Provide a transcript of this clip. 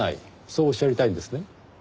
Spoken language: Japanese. そうおっしゃりたいんですね？